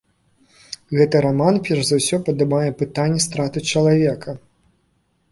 Гэты раман перш за ўсё падымае пытанні страты чалавека.